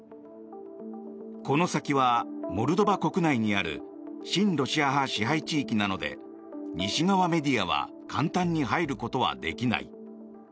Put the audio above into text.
この先はモルドバ国内にある親ロシア派支配地域なので西側メディアは簡単に入ることはできない。